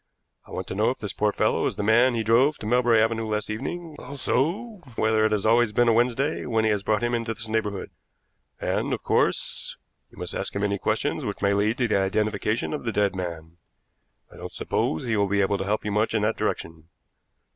I want to know if this poor fellow is the man he drove to Melbury Avenue last evening, also whether it has always been a Wednesday when he has brought him into this neighborhood; and, of course, you must ask him any questions which may lead to the identification of the dead man. I don't suppose he will be able to help you much in that direction.